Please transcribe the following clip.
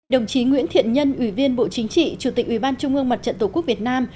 đồng chí nguyễn thiện nhân ủy viên bộ chính trị chủ tịch ủy ban trung ương mặt trận tổ quốc việt nam